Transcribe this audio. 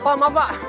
apa maaf pak